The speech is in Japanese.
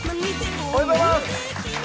おはようございます。